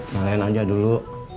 malen aja dulu